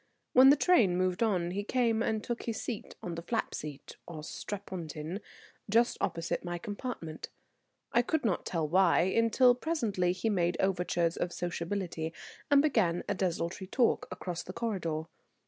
When the train moved on, he came and took his seat on the flap seat (or strapontin) just opposite my compartment. I could not tell why, until presently he made overtures of sociability and began a desultory talk across the corridor.